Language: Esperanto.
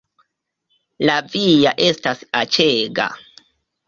La via estas aĉega